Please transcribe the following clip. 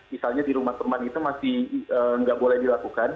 misalnya di rumah teman itu masih nggak boleh dilakukan